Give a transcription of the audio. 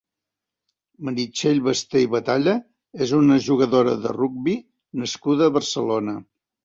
Meritxell Basté i Batalla és una jugadora de rugbi nascuda a Barcelona.